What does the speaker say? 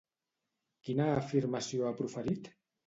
Quina afirmació ha proferit?